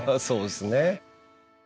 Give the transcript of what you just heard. そうですね。